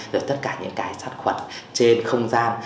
rồi tất cả những cái sát khuẩn trên không gian